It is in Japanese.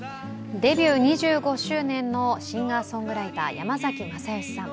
デビュー２５周年のシンガーソングライター・山崎まさよしさん。